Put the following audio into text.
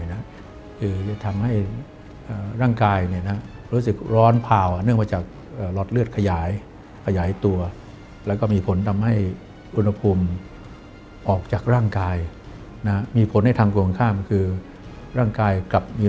การทำให้ร่างกายอบอุ่นในช่วงศรดูหนาวควรออกกำลังกายอย่างสม่ำเสมออย่างน้อยวันละ๓๐นาที